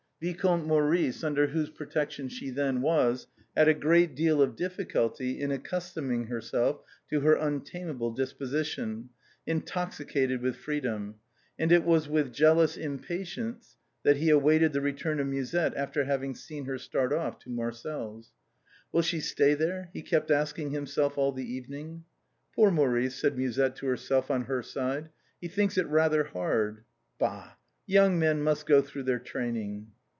Vicomte Maurice under whose protection she then was, had a great deal of difficulty in accustoming himself to her untamable disposi tion, intoxicated with freedom, and it was with jealous impatience that he awaited the return of Musette after hav ing seen her start off to Marcel's. " Will she stay there ?" he kept asking himself all the evening. " Poor Maurice," said Musette to herself on her side ;" he thinks it rather hard. Bah ! young men must go through their training."